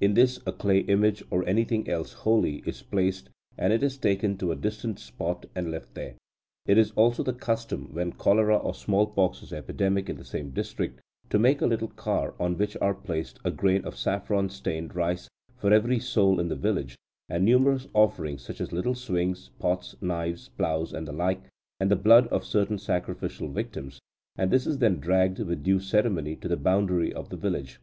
In this a clay image, or anything else holy, is placed, and it is taken to a distant spot, and left there. It is also the custom, when cholera or smallpox is epidemic in the same district, to make a little car, "on which are placed a grain of saffron stained rice for every soul in the village, and numerous offerings such as little swings, pots, knives, ploughs, and the like, and the blood of certain sacrificial victims, and this is then dragged with due ceremony to the boundary of the village.